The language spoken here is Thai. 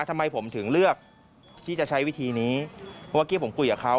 ทำไมผมถึงเลือกที่จะใช้วิธีนี้เพราะเมื่อกี้ผมคุยกับเขา